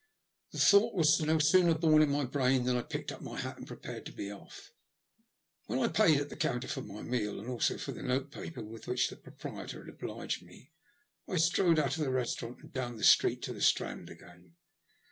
The thought was no sooner bom in my brain than I picked up my hat and prepared to be off. When I paid at the counter for my meal, and also for the note paper with which the proprietor had obliged me, I strode out of the restaurant and down the street into the Strand again.